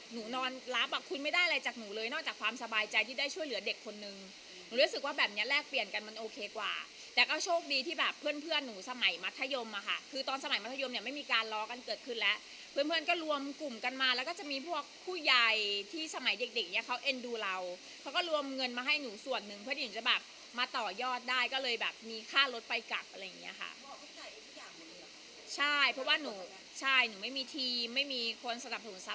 หนูรู้สึกว่าแบบเนี้ยแลกเปลี่ยนกันมันโอเคกว่าแต่ก็โชคดีที่แบบเพื่อนหนูสมัยมัธยมอะค่ะคือตอนสมัยมัธยมเนี้ยไม่มีการล้อกันเกิดขึ้นแล้วเพื่อนก็รวมกลุ่มกันมาแล้วก็จะมีพวกผู้ยายที่สมัยเด็กเนี้ยเขาเอ็นดูเราเขาก็รวมเงินมาให้หนูส่วนหนึ่งเพื่อนหนูจะแบบมาต่อยอดได้ก็เลยแบบมีค่ารถไปกลั